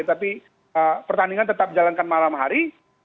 tapi pertandingan tetap jalankan malam hari